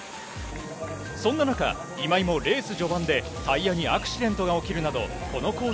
そんな中、今井もレース序盤でタイヤにアクシデントが起きるなど、このコー